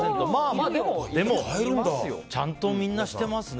まあ、でもちゃんとみんなしていますね。